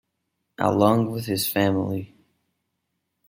Along with his family.